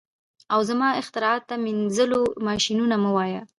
او زما اختراعاتو ته مینځلو ماشینونه مه وایه